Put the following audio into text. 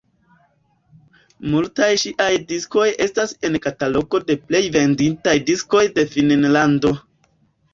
Multaj ŝiaj diskoj estas en katalogo de plej venditaj diskoj de Finnlando.